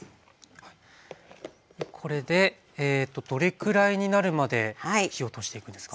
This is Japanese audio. これでどれくらいになるまで火を通していくんですか？